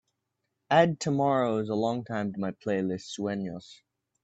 Add Tomorrow Is a Long Time to my playlist Sueños